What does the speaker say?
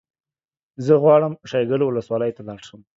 زه غواړم شیګل ولسوالۍ ته لاړ شم